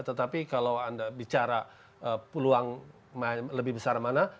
tetapi kalau anda bicara peluang lebih besar mana